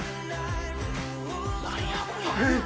何やこれ。